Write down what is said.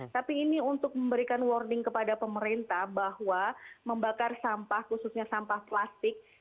tapi ini untuk memberikan warning kepada pemerintah bahwa membakar sampah khususnya sampah plastik